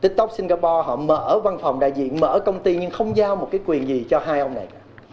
tiktok singapore họ mở văn phòng đại diện mở công ty nhưng không giao một cái quyền gì cho hai ông này cả